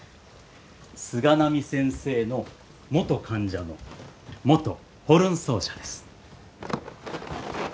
菅波先生の元患者の元ホルン奏者です。